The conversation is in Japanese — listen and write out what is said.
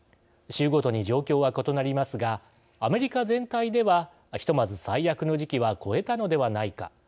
州ごとに状況は異なりますがアメリカ全体ではひとまず最悪の時期は越えたのではないか。